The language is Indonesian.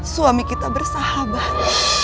suami kita bersahabat